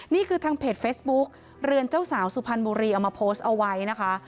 นี่คือทางเพจเฟซบุ๊กเรือนเจ้าสาวสุพรรณบุรีเอามาโพสต์เอาไว้นะคะ